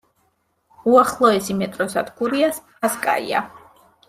უახლოესი მეტროსადგურია „სპასკაია“.